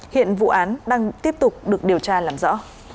hiện vụ án đang tiếp tục được điều tra làm rõ